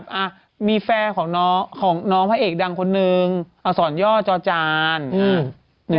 ก็มีแฟวของพระเอกดังคนนึงอ่าสรณย่อจอจาน